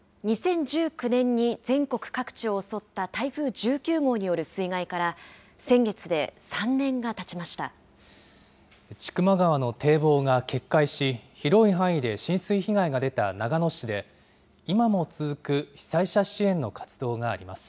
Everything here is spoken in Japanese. ２０１９年に全国各地を襲った台風１９号による水害から、千曲川の堤防が決壊し、広い範囲で浸水被害が出た長野市で、今も続く被災者支援の活動があります。